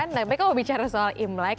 tapi kalau bicara soal imlek